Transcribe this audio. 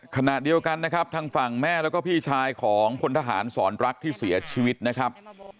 ขณะเดียวกันนะครับทางฝั่งแม่แล้วก็พี่ชายของพลทหารสอนรักที่เสียชีวิตนะครับ